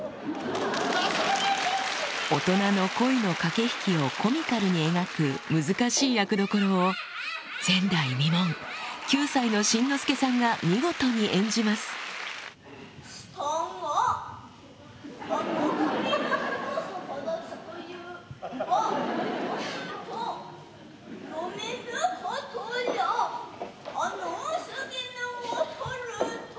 大人の恋の駆け引きをコミカルに描く難しい役どころを前代未聞９歳の新之助さんが見事に演じます『毛抜』を演じている